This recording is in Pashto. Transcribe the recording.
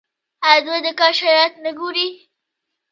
آیا دوی د کار شرایط نه ګوري؟